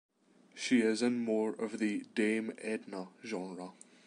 She is in more of the Dame Edna genre.